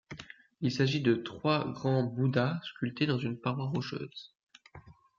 Il s'agit de trois grands bouddhas sculptés dans une paroi rocheuse.